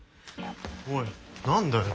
おい何だよ。